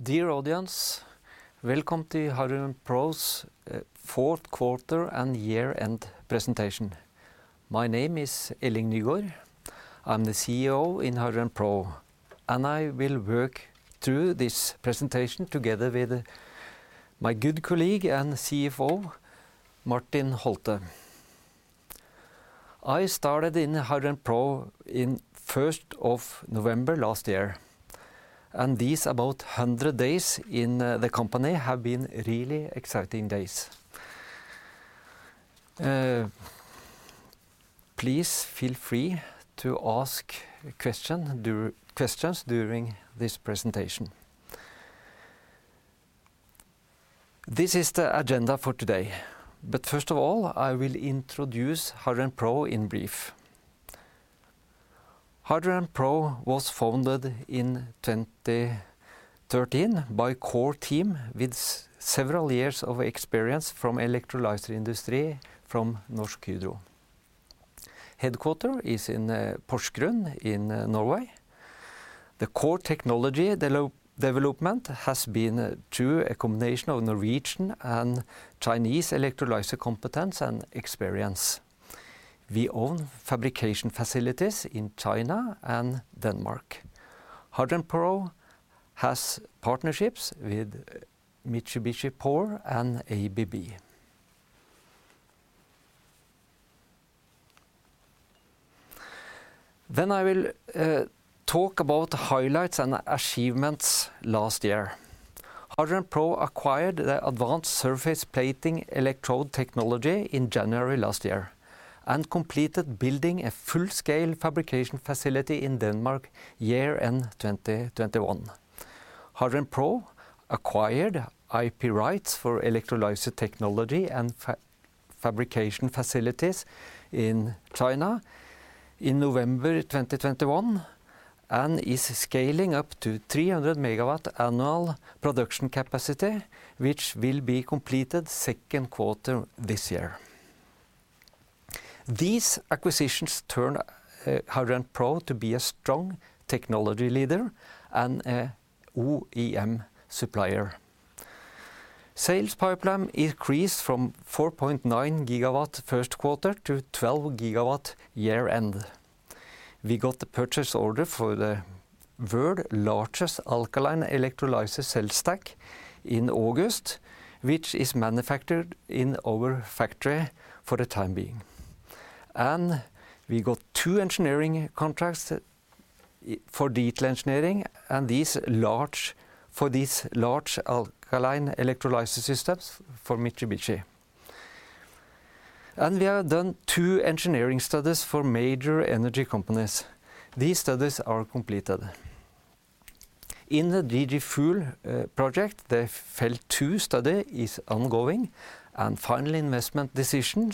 Dear audience, welcome to HydrogenPro's fourth quarter and year-end presentation. My name is Elling Nygaard. I'm the CEO in HydrogenPro, and I will work through this presentation together with my good colleague and the CFO, Martin Holtet. I started in HydrogenPro in first of November last year, and these about 100 days in, the company have been really exciting days. Please feel free to ask questions during this presentation. This is the agenda for today. First of all, I will introduce HydrogenPro in brief. HydrogenPro was founded in 2013 by core team with several years of experience from electrolysis industry from Norsk Hydro. Headquarters is in Porsgrunn in Norway. The core technology development has been through a combination of Norwegian and Chinese electrolysis competence and experience. We own fabrication facilities in China and Denmark. HydrogenPro has partnerships with Mitsubishi Power and ABB. I will talk about the highlights and achievements last year. HydrogenPro acquired the Advanced Surface Plating electrode technology in January last year and completed building a full-scale fabrication facility in Denmark year-end 2021. HydrogenPro acquired IP rights for electrolysis technology and fabrication facilities in China in November 2021 and is scaling up to 300 MW annual production capacity, which will be completed second quarter this year. These acquisitions turn HydrogenPro into a strong technology leader and an OEM supplier. Sales pipeline increased from 4.9 GW first quarter to 12 GW year-end. We got the purchase order for the world's largest alkaline electrolysis cell stack in August, which is manufactured in our factory for the time being. We got two engineering contracts for detail engineering for these large alkaline electrolysis systems for Mitsubishi. We have done two engineering studies for major energy companies. These studies are completed. In the DG Fuels project, the FEL 2 study is ongoing and final investment decision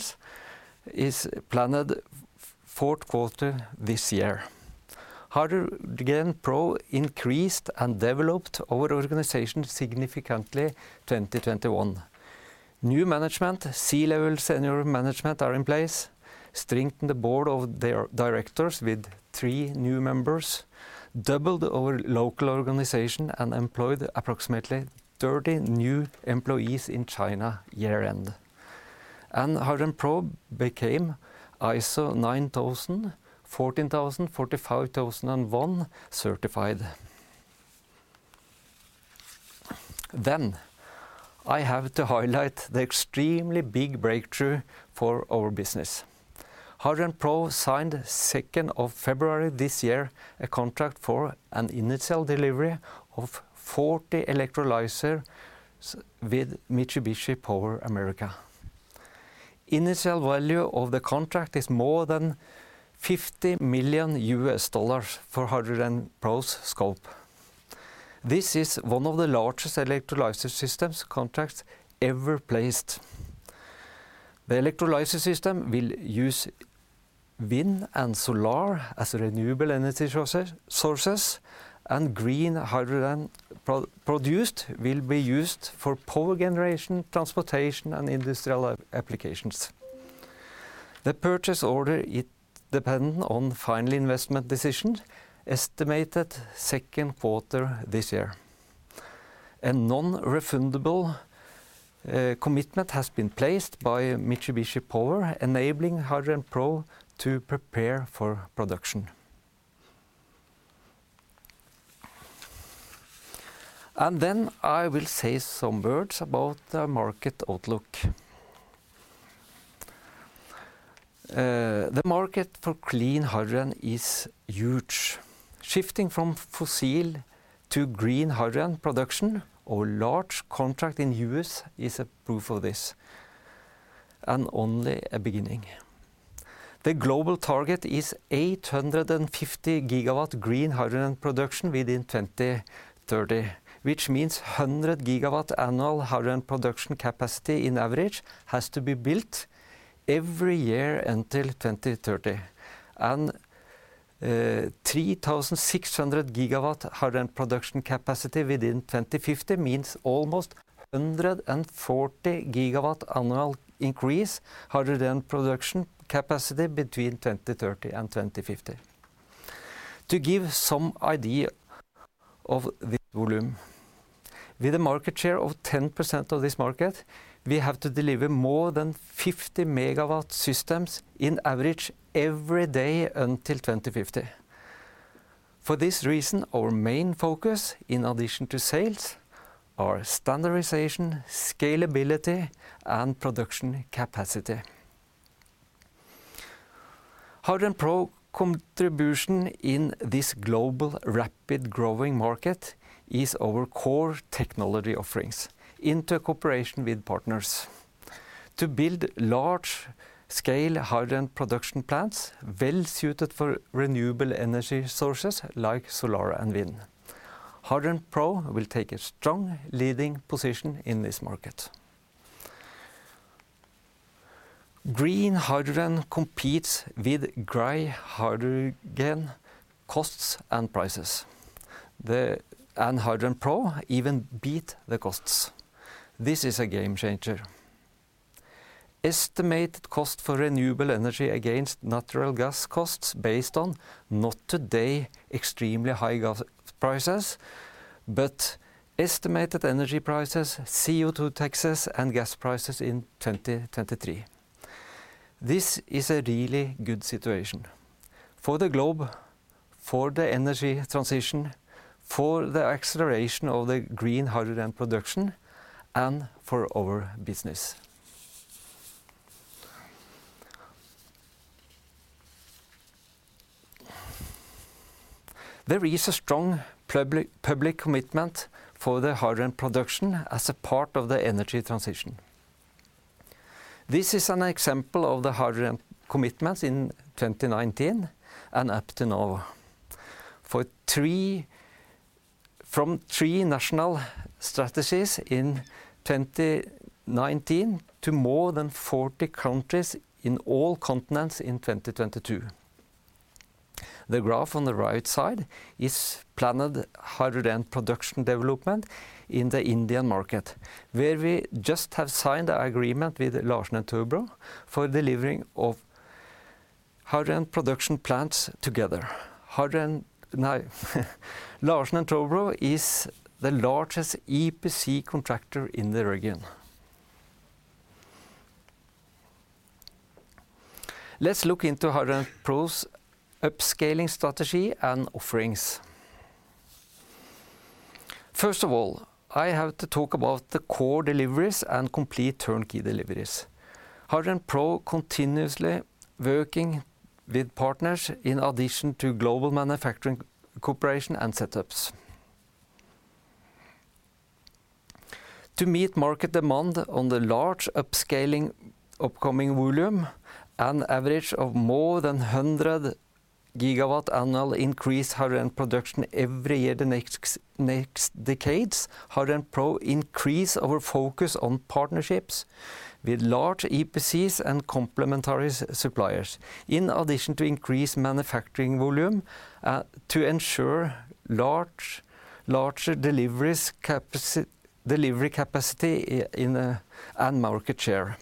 is planned fourth quarter this year. HydrogenPro increased and developed our organization significantly 2021. New management, C-level senior management are in place, strengthened the board of the directors with three new members, doubled our local organization, and employed approximately 30 new employees in China year-end. HydrogenPro became ISO 9001, 14001 and 45001 certified. I have to highlight the extremely big breakthrough for our business. HydrogenPro signed second of February this year a contract for an initial delivery of 40 electrolyser with Mitsubishi Power Americas. Initial value of the contract is more than $50 million for HydrogenPro's scope. This is one of the largest electrolysis systems contracts ever placed. The electrolysis system will use wind and solar as renewable energy sources, and green hydrogen produced will be used for power generation, transportation, and industrial applications. The purchase order depends on final investment decision estimated second quarter this year. A non-refundable commitment has been placed by Mitsubishi Power, enabling HydrogenPro to prepare for production. I will say some words about the market outlook. The market for clean hydrogen is huge. Shifting from fossil to green hydrogen production or large contract in U.S. is a proof of this, and only a beginning. The global target is 850 GW green hydrogen production within 2030, which means 100 GW annual hydrogen production capacity on average has to be built every year until 2030. 3,600 GW hydrogen production capacity within 2050 means almost 140 GW annual increase hydrogen production capacity between 2030 and 2050. To give some idea of this volume. With a market share of 10% of this market, we have to deliver more than 50 MW systems on average every day until 2050. For this reason, our main focus in addition to sales are standardization, scalability and production capacity. HydrogenPro contribution in this global rapidly growing market is our core technology offerings in cooperation with partners to build large scale hydrogen production plants well-suited for renewable energy sources like solar and wind. HydrogenPro will take a strong leading position in this market. Green hydrogen competes with grey hydrogen costs and prices. HydrogenPro even beat the costs. This is a game changer. Estimated cost for renewable energy against natural gas costs based on not today extremely high gas prices, but estimated energy prices, CO2 taxes and gas prices in 2023. This is a really good situation for the globe, for the energy transition, for the acceleration of the green hydrogen production, and for our business. There is a strong public commitment for the hydrogen production as a part of the energy transition. This is an example of the hydrogen commitments in 2019 and up to now. From 3 national strategies in 2019 to more than 40 countries in all continents in 2022. The graph on the right side is planned hydrogen production development in the Indian market, where we just have signed an agreement with Larsen & Toubro for delivering of hydrogen production plants together. Larsen & Toubro is the largest EPC contractor in the region. Let's look into HydrogenPro's upscaling strategy and offerings. First of all, I have to talk about the core deliveries and complete turnkey deliveries. HydrogenPro continuously working with partners in addition to global manufacturing cooperation and setups. To meet market demand on the large upscaling upcoming volume, an average of more than 100 gigawatt annual increase hydrogen production every year the next decades, HydrogenPro increase our focus on partnerships with large EPCs and complementary suppliers, in addition to increased manufacturing volume, to ensure larger delivery capacity in the end market share.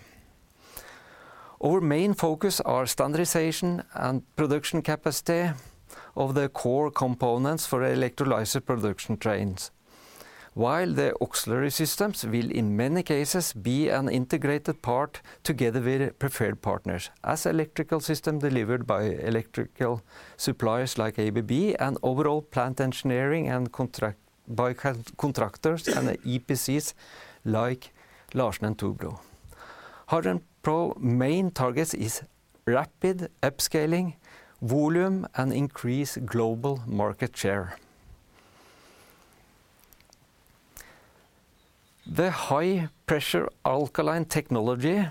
Our main focus are standardization and production capacity of the core components for electrolyzer production trains. While the auxiliary systems will in many cases be an integrated part together with preferred partners as electrical system delivered by electrical suppliers like ABB and overall plant engineering and contract by contractors and EPCs like Larsen & Toubro. HydrogenPro main targets is rapid upscaling, volume and increase global market share. The high pressure alkaline technology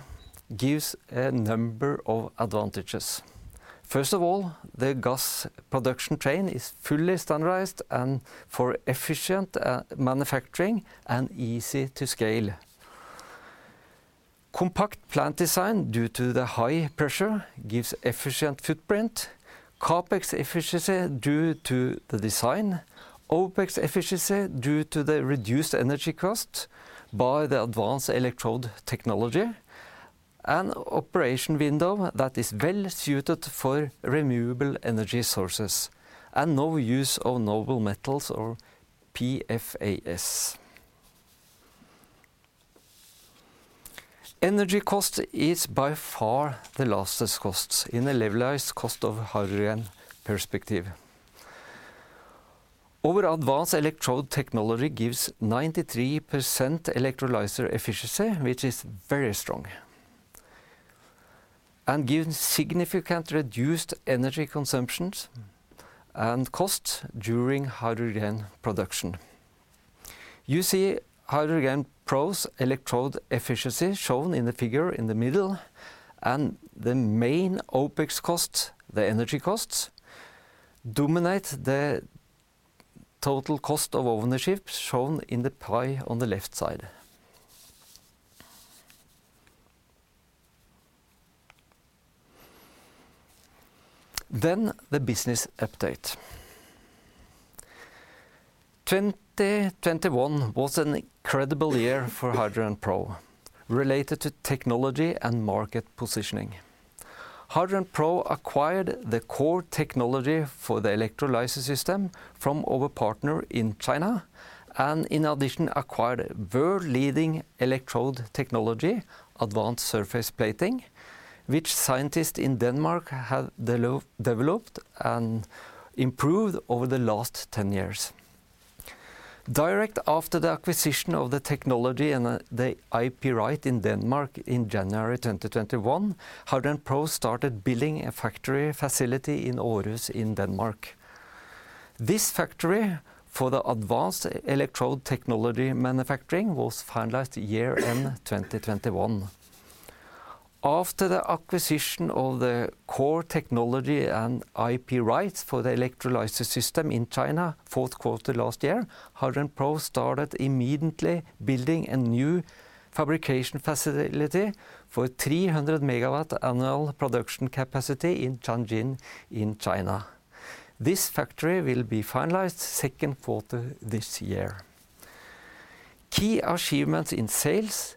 gives a number of advantages. First of all, the gas production train is fully standardized and for efficient manufacturing and easy to scale. Compact plant design due to the high pressure gives efficient footprint, CapEx efficiency due to the design, OpEx efficiency due to the reduced energy cost by the advanced electrode technology, and operation window that is well-suited for renewable energy sources, and no use of noble metals or PFAS. Energy cost is by far the largest costs in the levelized cost of hydrogen perspective. Our advanced electrode technology gives 93% electrolyzer efficiency, which is very strong, and gives significant reduced energy consumptions and costs during hydrogen production. You see HydrogenPro's electrode efficiency shown in the figure in the middle and the main OpEx costs, the energy costs, dominate the total cost of ownership shown in the pie on the left side. The business update. 2021 was an incredible year for HydrogenPro related to technology and market positioning. HydrogenPro acquired the core technology for the electrolysis system from our partner in China and in addition acquired world-leading electrode technology, Advanced Surface Plating, which scientists in Denmark have developed and improved over the last 10 years. Directly after the acquisition of the technology and the IP right in Denmark in January 2021, HydrogenPro started building a factory facility in Aarhus in Denmark. This factory for the advanced electrode technology manufacturing was finalized year-end 2021. After the acquisition of the core technology and IP rights for the electrolysis system in China fourth quarter last year, HydrogenPro started immediately building a new fabrication facility for 300 MW annual production capacity in Tianjin in China. This factory will be finalized second quarter this year. Key achievements in sales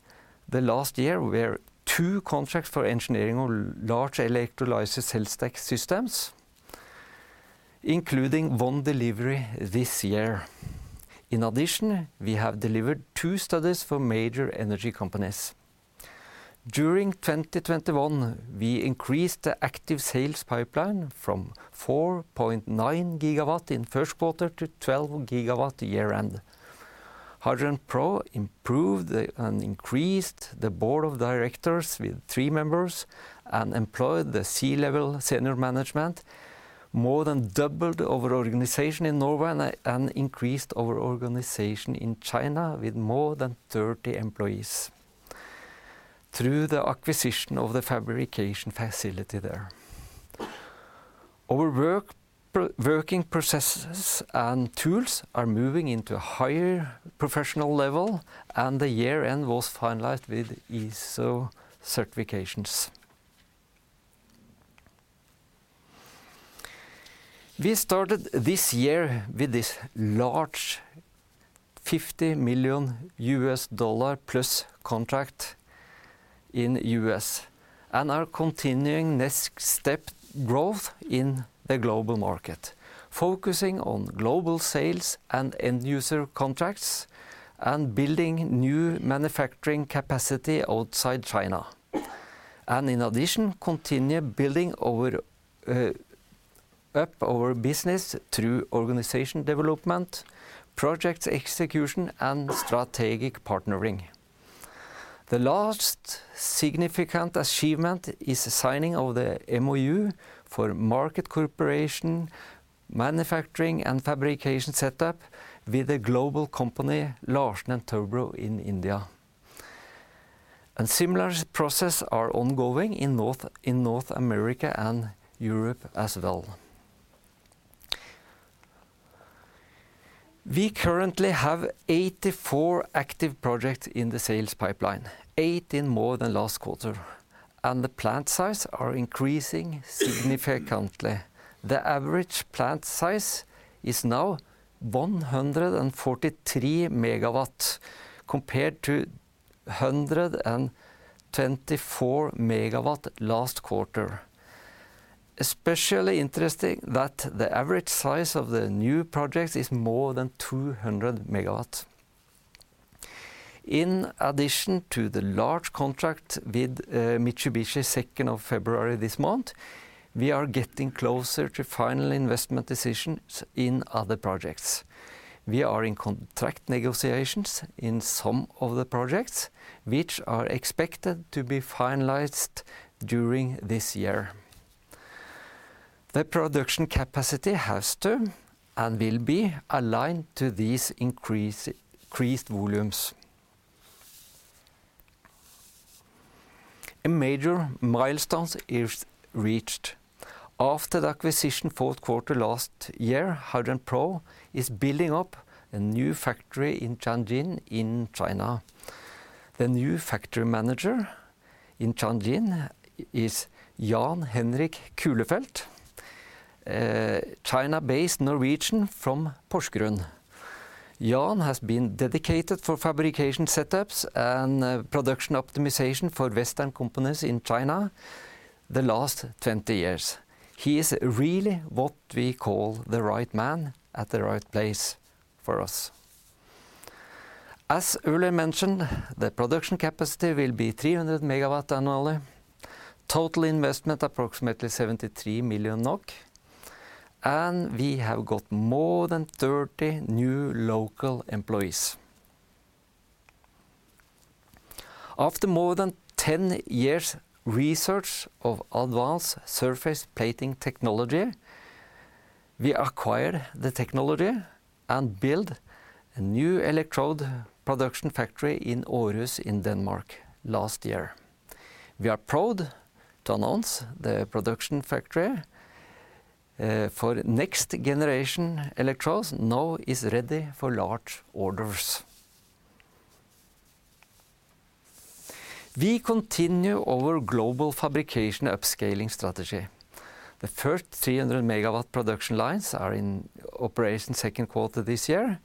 the last year were two contracts for engineering of large electrolysis cell stack systems, including one delivery this year. In addition, we have delivered two studies for major energy companies. During 2021, we increased the active sales pipeline from 4.9 GW in first quarter to 12 GW year-end. HydrogenPro improved and increased the board of directors with three members and employed the C-level senior management, more than doubled our organization in Norway and increased our organization in China with more than 30 employees through the acquisition of the fabrication facility there. Our working processes and tools are moving into a higher professional level and the year-end was finalized with ISO certifications. We started this year with this large $50 million-plus contract in U.S. and are continuing next step growth in the global market, focusing on global sales and end user contracts and building new manufacturing capacity outside China. In addition, continue building up our business through organization development, project execution and strategic partnering. The last significant achievement is the signing of the MOU for market cooperation, manufacturing and fabrication setup with a global company, Larsen & Toubro in India. Similar processes are ongoing in North America and Europe as well. We currently have 84 active projects in the sales pipeline, 18 more than last quarter, and the plant sizes are increasing significantly. The average plant size is now 143 MW compared to 124 MW last quarter. It's especially interesting that the average size of the new projects is more than 200 MW. In addition to the large contract with Mitsubishi second of February this month, we are getting closer to final investment decisions in other projects. We are in contract negotiations in some of the projects which are expected to be finalized during this year. The production capacity has to and will be aligned to these increased volumes. A major milestone is reached. After the acquisition in the fourth quarter last year, HydrogenPro is building up a new factory in Tianjin in China. The new factory manager in Tianjin is Jan-Henrik Kuhlefelt, China-based Norwegian from Porsgrunn. Jan has been dedicated for fabrication setups and production optimization for Western companies in China the last 20 years. He is really what we call the right man at the right place for us. As earlier mentioned, the production capacity will be 300 MW annually. Total investment approximately 73 million NOK, and we have got more than 30 new local employees. After more than 10 years of research of advanced surface plating technology, we acquired the technology and built a new electrode production factory in Aarhus in Denmark last year. We are proud to announce the production factory for next generation electrodes now is ready for large orders. We continue our global fabrication upscaling strategy. The first 300 MW production lines are in operation second quarter this year.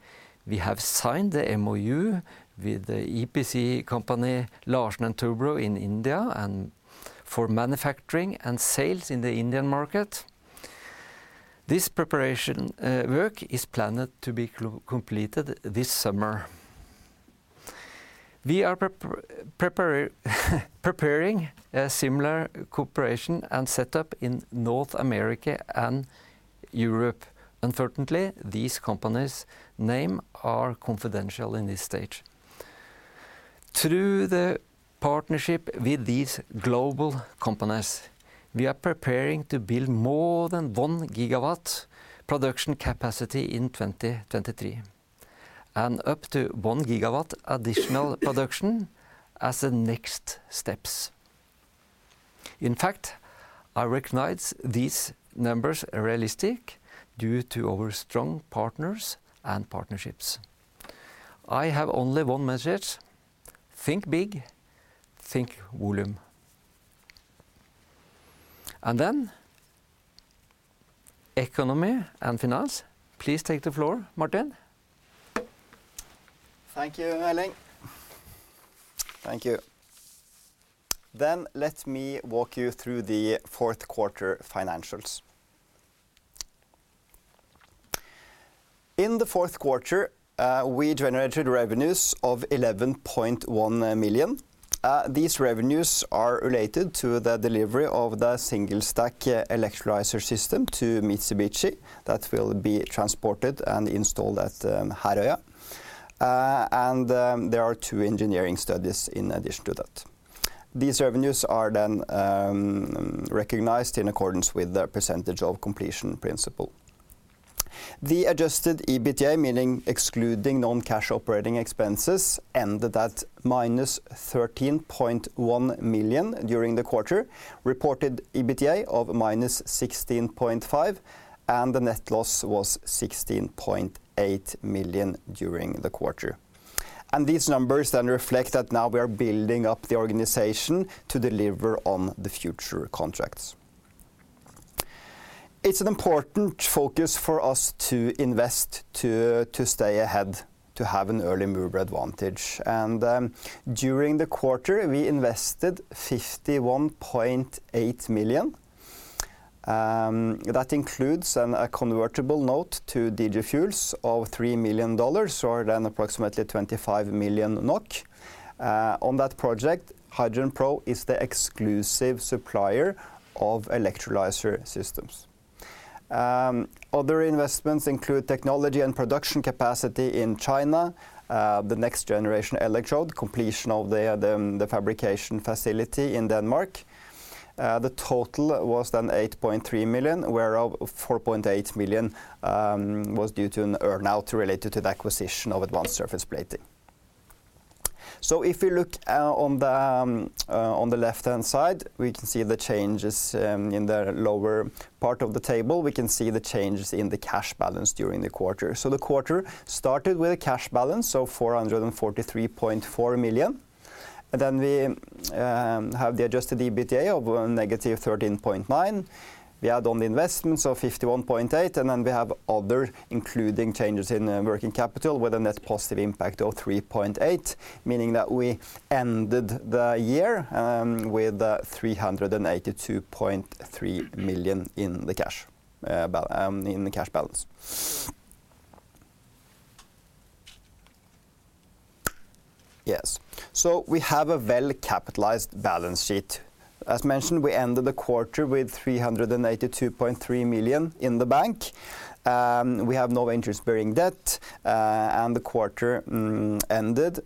We have signed the MOU with the EPC company Larsen & Toubro in India and for manufacturing and sales in the Indian market. This preparation work is planned to be completed this summer. We are preparing a similar cooperation and setup in North America and Europe. Unfortunately, these companies' name are confidential in this stage. Through the partnership with these global companies, we are preparing to build more than 1 GW production capacity in 2023, and up to 1 GW additional production as the next steps. In fact, I recognize these numbers are realistic due to our strong partners and partnerships. I have only one message: Think big, think volume. Economy and finance. Please take the floor, Martin. Thank you, Elling. Thank you. Let me walk you through the fourth quarter financials. In the fourth quarter, we generated revenues of 11.1 million. These revenues are related to the delivery of the single stack electrolyzer system to Mitsubishi that will be transported and installed at Herøya. There are two engineering studies in addition to that. These revenues are then recognized in accordance with the percentage of completion principle. The adjusted EBITDA, meaning excluding non-cash operating expenses, ended at -13.1 million during the quarter, reported EBITDA of -16.5 million, and the net loss was 16.8 million during the quarter. These numbers then reflect that now we are building up the organization to deliver on the future contracts. It's an important focus for us to invest to stay ahead, to have an early mover advantage. During the quarter, we invested 51.8 million NOK, that includes a convertible note to DG Fuels of $3 million or then approximately 25 million NOK. On that project, HydrogenPro is the exclusive supplier of electrolyzer systems. Other investments include technology and production capacity in China, the next generation electrode, completion of the fabrication facility in Denmark. The total was then 8.3 million NOK, whereof 4.8 million NOK was due to an earn-out related to the acquisition of Advanced Surface Plating. If you look on the left-hand side, we can see the changes in the lower part of the table. We can see the changes in the cash balance during the quarter. The quarter started with a cash balance of 443.4 million. We have the adjusted EBITDA of -13.9. We add on the investments of 51.8 million, and then we have other including changes in working capital with a net positive impact of 3.8 million, meaning that we ended the year with 382.3 million in the cash balance. Yes. We have a well-capitalized balance sheet. As mentioned, we ended the quarter with 382.3 million in the bank. We have no interest-bearing debt, and the quarter ended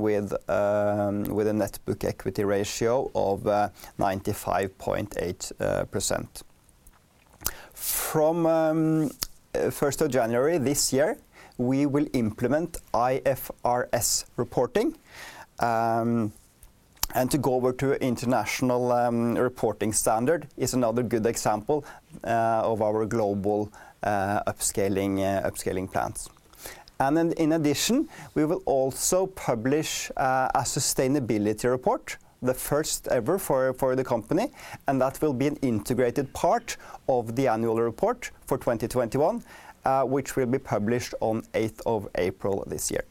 with a net book equity ratio of 95.8%. From first of January this year, we will implement IFRS reporting. To go over to international reporting standard is another good example of our global upscaling plans. In addition, we will also publish a sustainability report, the first ever for the company, and that will be an integrated part of the annual report for 2021, which will be published on eighth of April this year.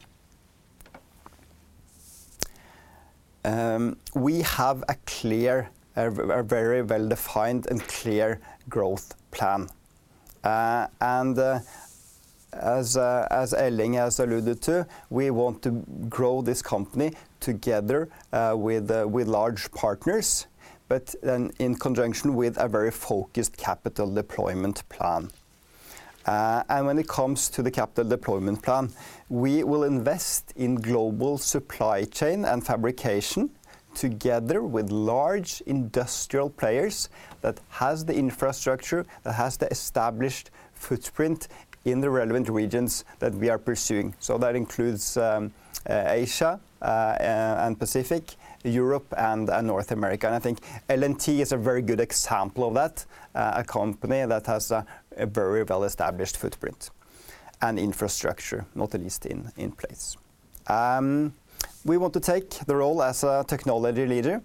We have a clear, very well-defined and clear growth plan. As Elling has alluded to, we want to grow this company together with large partners, but then in conjunction with a very focused capital deployment plan. When it comes to the capital deployment plan, we will invest in global supply chain and fabrication together with large industrial players that has the infrastructure, that has the established footprint in the relevant regions that we are pursuing. That includes Asia and Pacific, Europe and North America. I think L&T is a very good example of that, a company that has a very well-established footprint and infrastructure, not least in place. We want to take the role as a technology leader.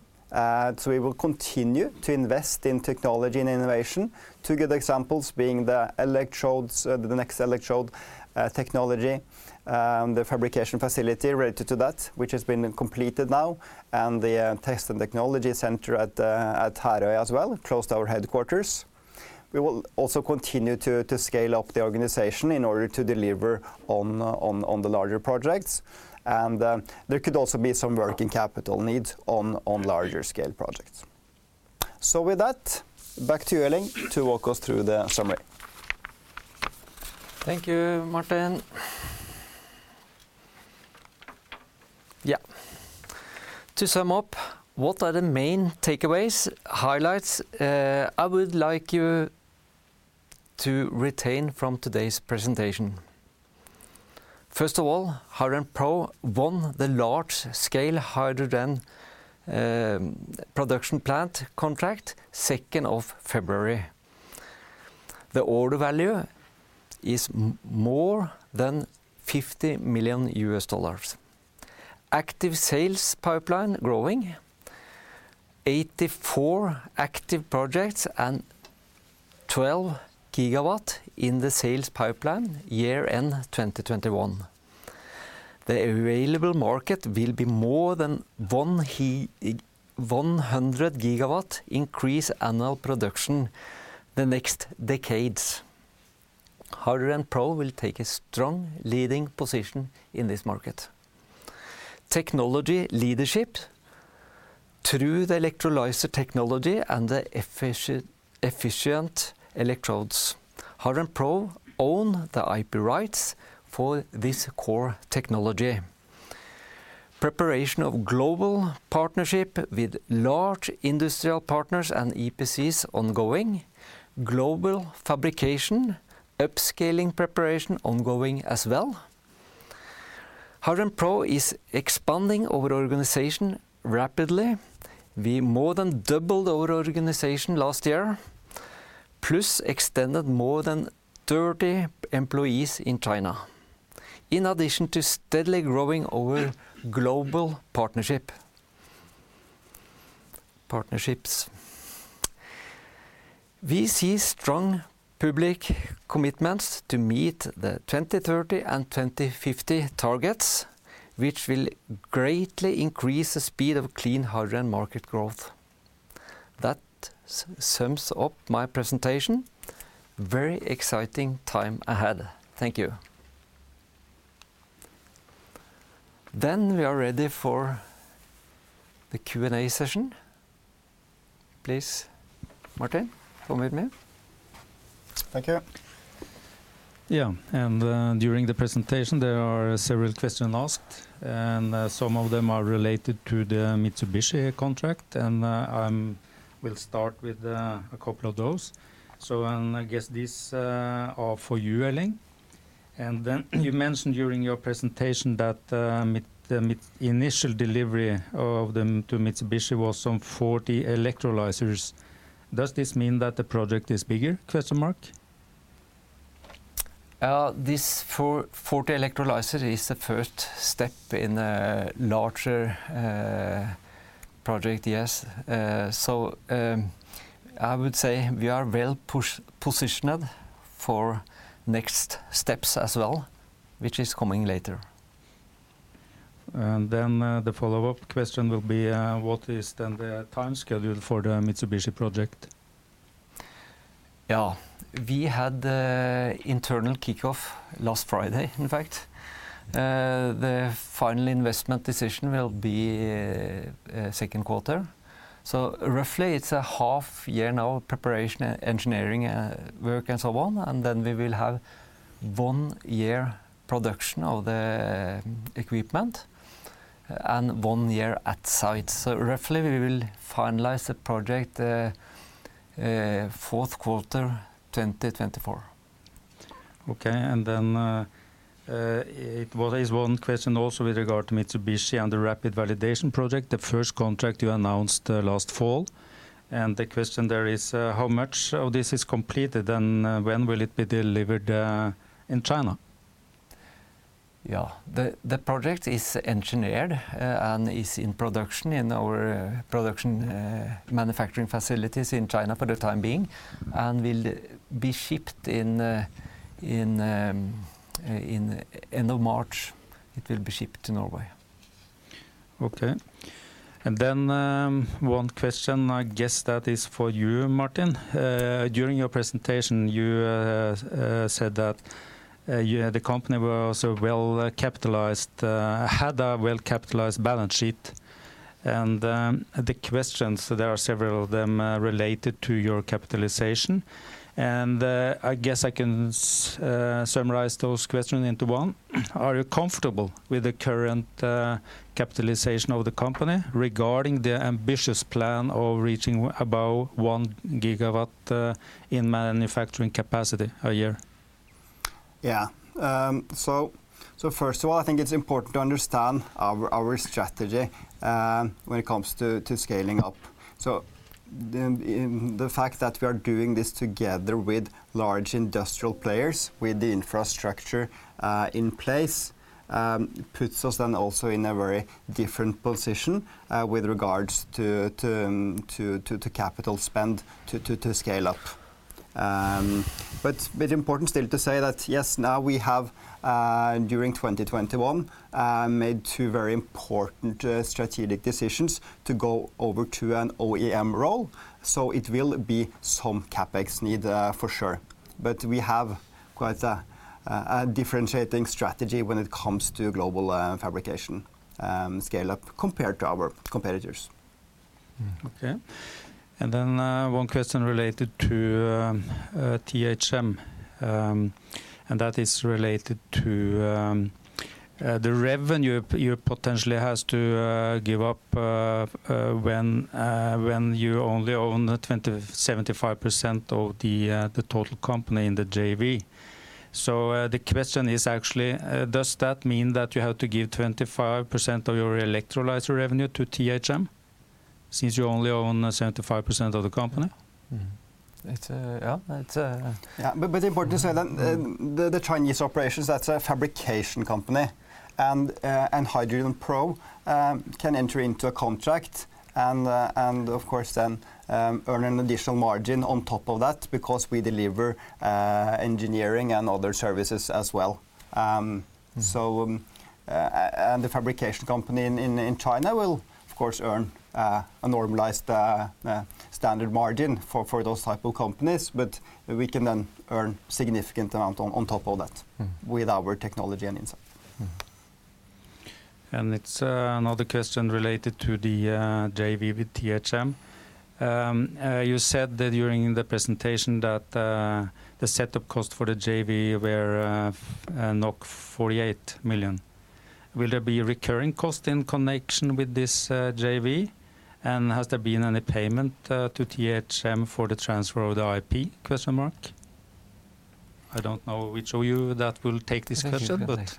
We will continue to invest in technology and innovation. Two good examples being the electrodes, the next electrode technology, the fabrication facility related to that, which has been completed now, and the test and technology center at Herøya as well, close to our headquarters. We will also continue to scale up the organization in order to deliver on the larger projects. There could also be some working capital needs on larger scale projects. With that, back to you, Elling, to walk us through the summary. Thank you, Martin. Yeah. To sum up, what are the main takeaways, highlights, I would like you to retain from today's presentation? First of all, HydrogenPro won the large scale hydrogen production plant contract second of February. The order value is more than $50 million. Active sales pipeline growing. 84 active projects and 12 GW in the sales pipeline year-end 2021. The available market will be more than 100 GW increase annual production the next decades. HydrogenPro will take a strong leading position in this market. Technology leadership through the electrolyzer technology and the efficient electrodes. HydrogenPro own the IP rights for this core technology. Preparation of global partnership with large industrial partners and EPCs ongoing. Global fabrication, upscaling preparation ongoing as well. HydrogenPro is expanding our organization rapidly. We more than doubled our organization last year, plus extended more than 30 employees in China. In addition to steadily growing our global partnerships. We see strong public commitments to meet the 2030 and 2050 targets, which will greatly increase the speed of clean hydrogen market growth. That sums up my presentation. Very exciting time ahead. Thank you. We are ready for the Q&A session. Please, Martin, join with me. Thank you. During the presentation, there are several questions asked, and some of them are related to the Mitsubishi contract, and we'll start with a couple of those. I guess these are for you, Elling. Then you mentioned during your presentation that the initial delivery of them to Mitsubishi was some 40 electrolyzers. Does this mean that the project is bigger? This 40 electrolyzer is the first step in a larger project, yes. I would say we are well-positioned for next steps as well, which is coming later. The follow-up question will be, what is then the time schedule for the Mitsubishi project? Yeah. We had the internal kickoff last Friday, in fact. The final investment decision will be second quarter. Roughly it's a half year now preparation, engineering, work, and so on. We will have one year production of the equipment and one year at site. Roughly we will finalize the project fourth quarter 2024. There is one question also with regard to Mitsubishi and the Rapid Validation Project, the first contract you announced last fall. The question there is how much of this is completed, and when will it be delivered in China? Yeah. The project is engineered and is in production in our production manufacturing facilities in China for the time being, and will be shipped in end of March. It will be shipped to Norway. Okay. One question I guess that is for you, Martin. During your presentation, you said that you had the company were also well capitalized, had a well capitalized balance sheet. The questions, there are several of them, related to your capitalization. I guess I can summarize those questions into one. Are you comfortable with the current capitalization of the company regarding the ambitious plan of reaching about one gigawatt in manufacturing capacity a year? Yeah. First of all, I think it's important to understand our strategy when it comes to scaling up. The fact that we are doing this together with large industrial players with the infrastructure in place puts us then also in a very different position with regards to capital spend to scale up. Very important still to say that, yes, now we have during 2021 made two very important strategic decisions to go over to an OEM role, so it will be some CapEx need for sure. We have quite a differentiating strategy when it comes to global fabrication scale-up compared to our competitors. Mm-hmm. Okay. One question related to THM, and that is related to the revenue you potentially has to give up when you only own the 75 percent of the total company in the JV. The question is actually, does that mean that you have to give 25 percent of your electrolyzer revenue to THM since you only own 75 percent of the company? Mm-hmm. Yeah. Important to say that the Chinese operations, that's a fabrication company and HydrogenPro can enter into a contract and of course then earn an additional margin on top of that because we deliver engineering and other services as well. The fabrication company in China will of course earn a normalized standard margin for those type of companies. We can then earn significant amount on top of that. Mm-hmm. with our technology and insight. It's another question related to the JV with THM. You said that during the presentation that the setup cost for the JV were 48 million. Will there be recurring cost in connection with this JV? And has there been any payment to THM for the transfer of the IP? I don't know which of you that will take this question, but- I think I can take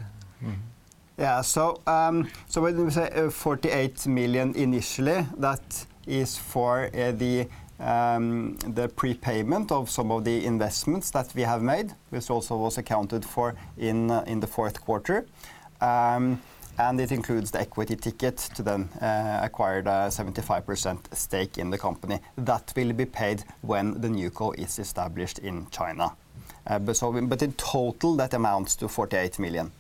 that. Mm-hmm. When we say 48 million initially, that is for the prepayment of some of the investments that we have made, which also was accounted for in the fourth quarter. It includes the equity ticket to then acquire the 75% stake in the company. That will be paid when the new co is established in China. In total that amounts to 48 million.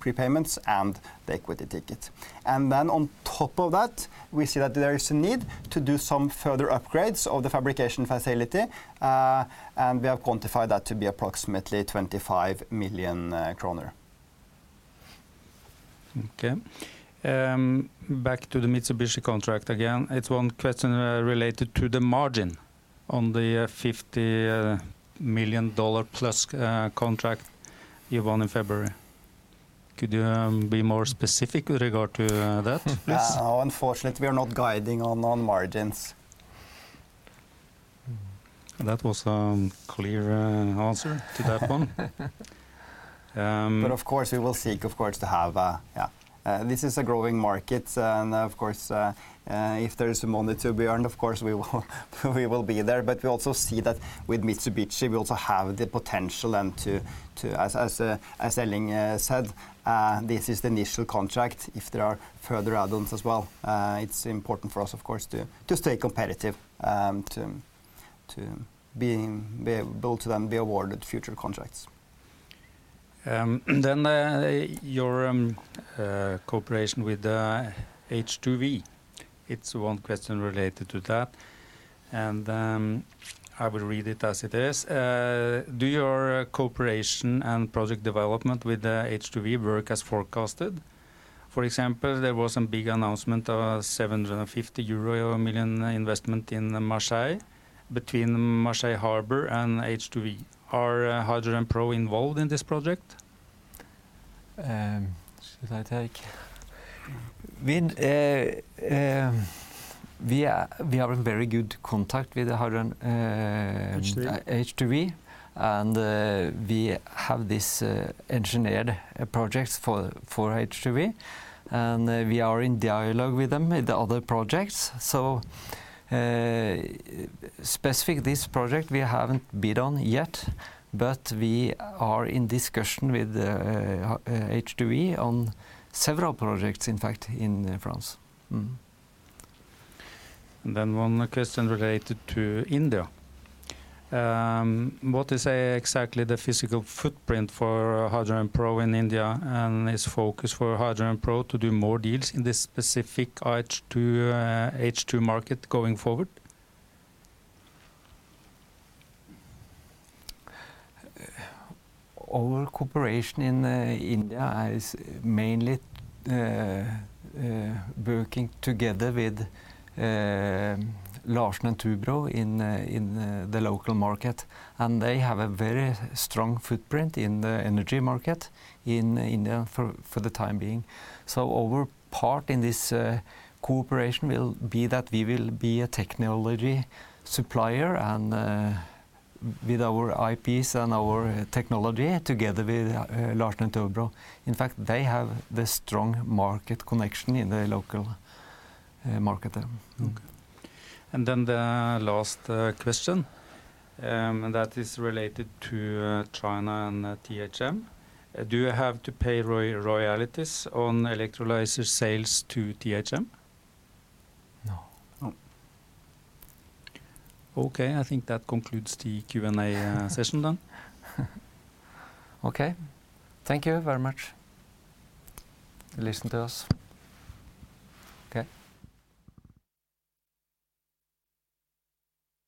Prepayments and the equity ticket. On top of that, we see that there is a need to do some further upgrades of the fabrication facility, and we have quantified that to be approximately 25 million kroner. Okay. Back to the Mitsubishi contract again. It's one question related to the margin on the $50 million-plus contract you won in February. Could you be more specific with regard to that, please? No. Unfortunately we are not guiding on margins. Mm-hmm. That was clear answer to that one. Of course we will seek, of course, to have this. This is a growing market and of course if there is money to be earned, of course we will be there. We also see that with Mitsubishi we also have the potential and to as Elling said this is the initial contract. If there are further add-ons as well, it's important for us of course to stay competitive to be able to then be awarded future contracts. Your cooperation with H2V. It's one question related to that. I will read it as it is. Do your cooperation and project development with H2V work as forecasted? For example, there was some big announcement of a 750 million euro investment in Marseille between Marseille harbor and H2V. Are HydrogenPro involved in this project? We are in very good contact with HydrogenPro. H2V. H2V. We have this engineered projects for H2V. We are in dialogue with them in the other projects. Specifically, this project we haven't bid on yet, but we are in discussion with H2V on several projects, in fact, in France. One question related to India. What is exactly the physical footprint for HydrogenPro in India, and is the focus for HydrogenPro to do more deals in this specific H2 market going forward? Our cooperation in India is mainly working together with Larsen & Toubro in the local market. They have a very strong footprint in the energy market in India for the time being. Our part in this cooperation will be that we will be a technology supplier and with our IPs and our technology together with Larsen & Toubro. In fact, they have the strong market connection in the local market there. Okay. The last question that is related to China and THM. Do you have to pay royalties on electrolyzer sales to THM? No. No. Okay. I think that concludes the Q&A session then. Okay. Thank you very much for listening to us. Okay.